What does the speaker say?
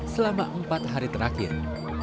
selama empat hari terakhir